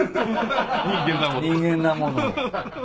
人間だもの。